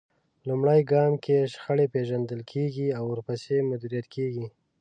لومړی ګام کې شخړه پېژندل کېږي او ورپسې مديريت کېږي.